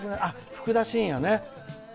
ふくだしんやね！